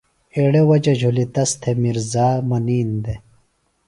ایڑےۡ وجہ جُھلی تس تھےۡ میرزا منِین دےۡ